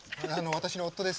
私の夫です。